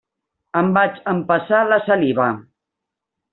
Em vaig empassar la saliva.